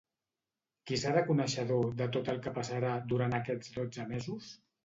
Qui serà coneixedor de tot el que passarà durant aquests dotze mesos?